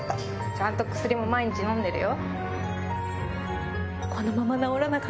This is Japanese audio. ちゃんと薬も毎日飲んでるよ。